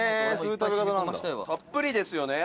横尾：たっぷりですよね。